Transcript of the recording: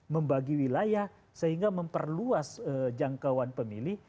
membagi wilayah sehingga memperluas jangkauan pemilih